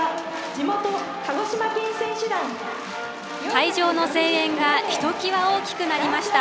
会場の声援がひときわ大きくなりました。